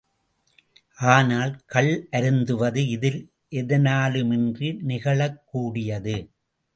ஆனால் கள் அருந்துவது இதில் எதனாலுமின்றி நிகழக்கூடியது.